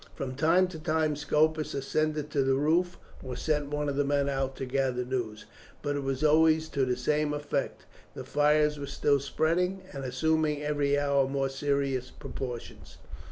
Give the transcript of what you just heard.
From time to time Scopus ascended to the roof, or sent one of the men out to gather news, but it was always to the same effect, the fire was still spreading, and assuming every hour more serious proportions.